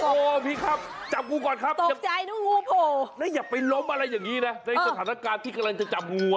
โอ้พี่ครับจับกูก่อนครับอย่าไปล้มอะไรอย่างนี้นะในสถานการณ์ที่กำลังจะจับงู